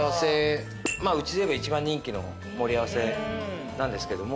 まあうちでいえば一番人気の盛り合わせなんですけども。